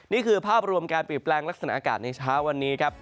นี่คือภาพรวมการเปลี่ยนแปลงลักษณะอากาศในเช้าวันนี้ครับ